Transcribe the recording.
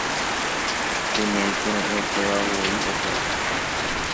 Kuña ikyre'ỹetéva voi opu'ã